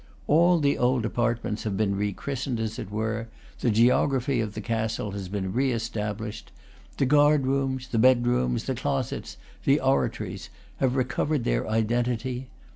All the old apartments have been rechristened, as it were; the geography of the castle has been re established. The guardrooms, the bed rooms, the closets, the oratories, have recovered their identity.